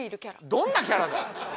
どんなキャラだよ。